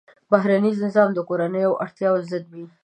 بهرنی نظام د کورنیو اړتیاوو ضد وي.